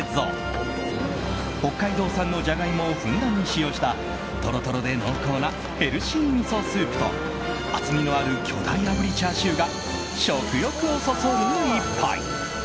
北海道産のジャガイモをふんだんに使用したとろとろで濃厚なヘルシー味噌スープと厚みのある巨大あぶりチャーシューが食欲をそそる一杯。